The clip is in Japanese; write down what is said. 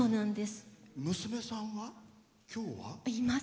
娘さんは今日は？